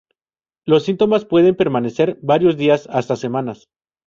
Los síntomas pueden permanecer varios días hasta semanas.